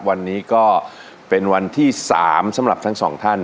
วันนี้ก็เป็นวันที่๓สำหรับทั้งสองท่าน